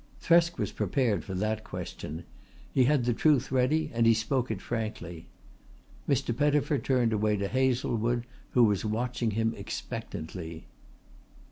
Thresk was prepared for that question. He had the truth ready and he spoke it frankly. Mr. Pettifer turned away to Hazlewood, who was watching him expectantly.